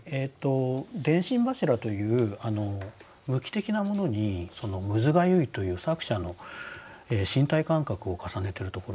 電信柱という無機的なものに「むずがゆい」という作者の身体感覚を重ねてるところがとてもよかったです。